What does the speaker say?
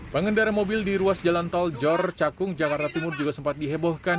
pengendara mobil di ruas jalan tol jor cakung jakarta timur juga sempat dihebohkan